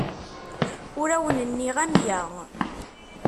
Ur awen-nniɣ amya.